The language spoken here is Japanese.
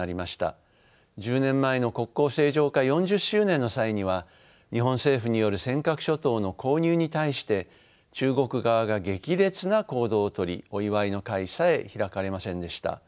１０年前の国交正常化４０周年の際には日本政府による尖閣諸島の購入に対して中国側が激烈な行動をとりお祝いの会さえ開かれませんでした。